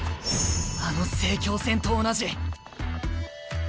あの成京戦と同じ。